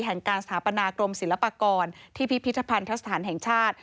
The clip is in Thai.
แห่งการสถาปนากรมศิลปากรที่พิพิธภัณฑสถานแห่งชาติ